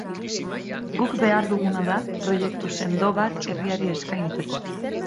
Guk behar duguna da proiektu sendo bat herriari eskaintzeko.